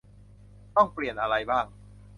ต้องเปลี่ยนอะไรบ้าง